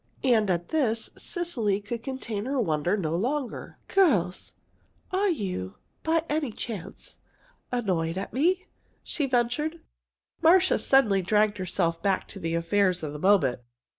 And at this, Cecily could contain her wonder no longer. "Girls, are you, by any chance annoyed at me?" she ventured. Marcia suddenly dragged herself back to the affairs of the moment.